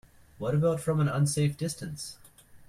What about from an unsafe distance?